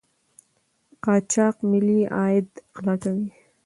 قاچاق ملي عاید غلا کوي.